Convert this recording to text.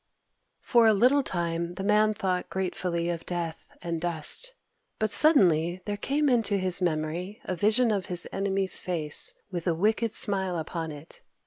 For a little time the Man thought gratefully of death and dust. But suddenly there came into his memory a vision of his enemy's face, with a wicked smile upon it.